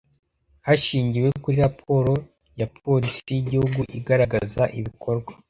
hashingiwe kuri raporo ya polisi y igihugu igaragaza ibikorwa